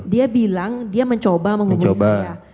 dia bilang dia mencoba menghubungi dia